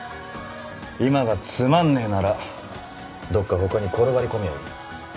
今がつまんねぇならどっか他に転がり込みゃいい。